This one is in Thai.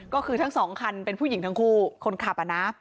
ก็คือทั้งสองคันเป็นผู้หญิงทั้งคู่คนขับอ่ะนะ